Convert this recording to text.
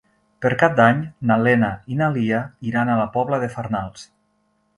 Per Cap d'Any na Lena i na Lia iran a la Pobla de Farnals.